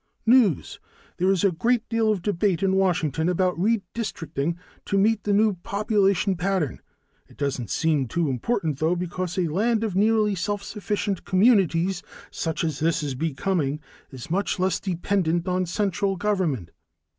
News: There is a great deal of debate in Washington about redistricting to meet the new population pattern. It doesn't seem too important, though, because a land of nearly self sufficient communities, such as this is becoming, is much less dependent on central government.